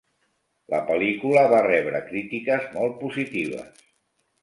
La pel·lícula va rebre crítiques molt positives.